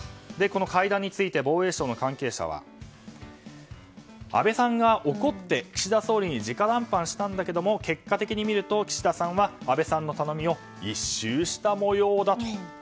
この会談について防衛省の関係者は安倍さんが怒って岸田総理に直談判したんだけど結果的に見ると岸田さんは安倍さんの頼みを一蹴した模様だと。